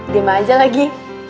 diam aja lagi